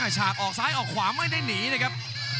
ฉากออกซ้ายออกขวาไม่ได้หนีเลยครับ